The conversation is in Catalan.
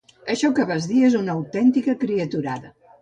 Això que vas dir és una autèntica criaturada